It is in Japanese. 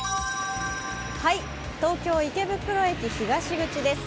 東京・池袋駅東口です。